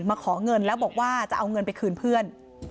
มาขอเงินแล้วบอกว่าจะเอาเงินไปคืนเพื่อน